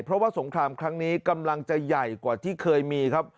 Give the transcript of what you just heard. เพราะว่าสงครามครั้งนี้กำลังจะใหญ่กว่าที่เคยมีครับ